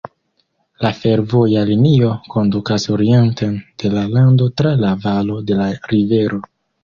La fervoja linio kondukas orienten de la lando tra la valo de la rivero.